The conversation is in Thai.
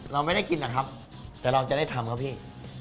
เราไม่ได้กินนะครับแต่เราจะได้ทำครับพี่